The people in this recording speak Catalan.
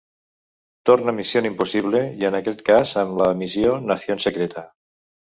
Torna ‘Misión imposible’ i en aquest cas amb la missió ‘Nación secreta’.